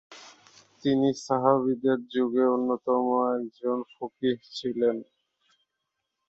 তিনি সাহাবীদের যুগে অন্যতম একজন ফকিহ্ ছিলেন।